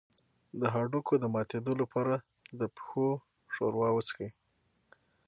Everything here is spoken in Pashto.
د هډوکو د ماتیدو لپاره د پښو ښوروا وڅښئ